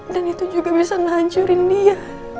dan itu juga bisa ngancurin dia